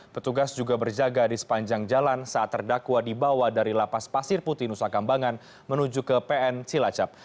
petugas juga berjaga di sepanjang jalan saat terdakwa dibawa dari lapas pasir putih nusa kambangan menuju ke pn cilacap